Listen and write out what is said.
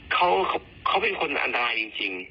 เขาเป็นคนอันตรายจริง